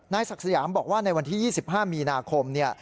ศักดิ์สยามบอกว่าในวันที่๒๕มีนาคม